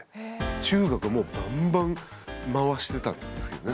中学はもうバンバン回してたんですけどね。